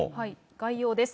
概要です。